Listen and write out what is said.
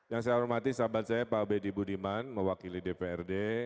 yang saya hormati sahabat saya pak bedi budiman mewakili dprd